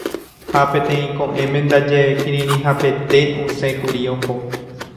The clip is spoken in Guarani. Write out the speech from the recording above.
ha peteĩ ko'ẽme ndaje kirirĩhapete osẽkuri oho.